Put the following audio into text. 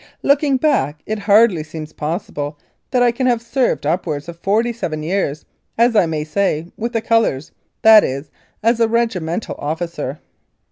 Looking back, it hardly seems possible that I can have served upwards of forty seven years, as I may say, with the colours, that is, as a regimental officer.